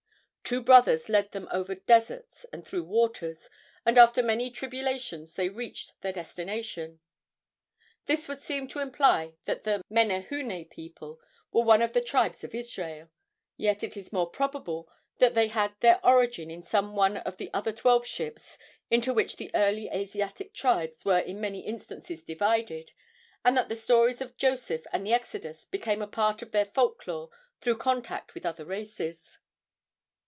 Two brothers led them over deserts and through waters, and after many tribulations they reached their destination. This would seem to imply that the Menehune people were one of the tribes of Israel; yet it is more probable that they had their origin in some one of the other twelveships into which the early Asiatic tribes were in many instances divided, and that the stories of Joseph and the Exodus became a part of their folk lore through contact with other races.